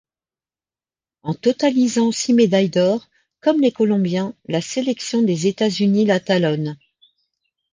En totalisant six médailles d'or, comme les Colombiens, la sélection des États-Unis la talonne.